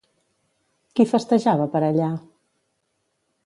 Qui festejava per allà?